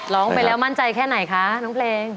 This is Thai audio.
ร้องไปแล้วมั่นใจแค่ไหนคะน้องเพลง